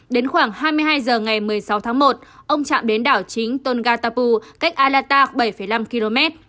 đến khoảng hai mươi hai giờ ngày một mươi sáu tháng một ông chạm đến đảo chính tôn gatapu cách alata bảy năm km